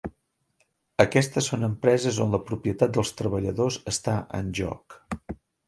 Aquestes son empreses on la propietat dels treballadors està en joc.